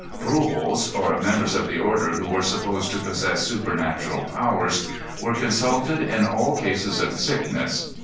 Brujos or members of the order who were supposed to possess supernatural powers were consulted in all cases of sickness.